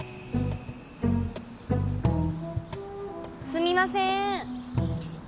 すみませーん。